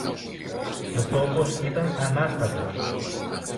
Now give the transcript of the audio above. Ο τόπος ήταν ανάστατος.